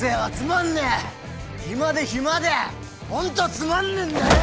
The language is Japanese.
暇で暇でホントつまんねえんだよ！